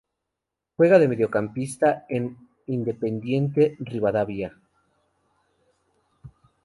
Juega de Mediocampista en Independiente Rivadavia.